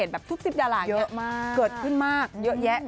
แบบทุกดาราเกิดขึ้นมากเยอะแยะ